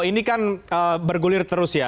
ini kan bergulir terus ya